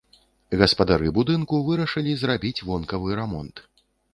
Гаспадары будынку вырашылі зрабіць вонкавы рамонт.